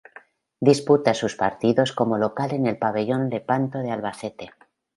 Disputa sus partidos como local en el pabellón Lepanto de Albacete.